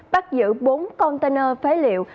bắt giữ bốn container phế liệu